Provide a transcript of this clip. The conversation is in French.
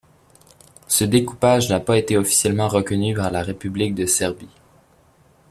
Ce découpage n’a pas été officiellement reconnu par la république de Serbie.